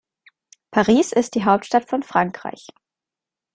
Paris ist die Hauptstadt von Frankreich.